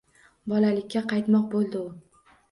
Bolalikka qaytmoq bo’ldi u